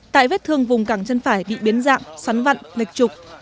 tại vết thương vùng cẳng chân phải bị biến dạng xoắn vặn lệch trục